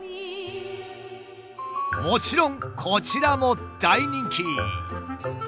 もちろんこちらも大人気！